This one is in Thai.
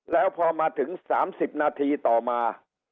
แล้วพอมาถึง๓๐นาทีต่อมา